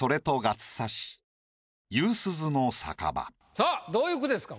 さぁどういう句ですか？